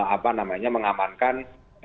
apa namanya mengamankan